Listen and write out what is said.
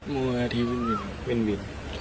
มัวอาทีวินวิน